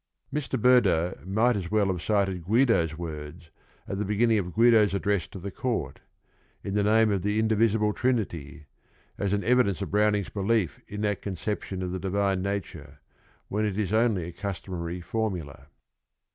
Mr. Berdoe might as well have cited Guido's words, at the beginning of Guido's address to the court, "In the name of the indivisible Trin ity," as an evidence of Browning's belief in that conception of the divine nature, when it is only a customary formula.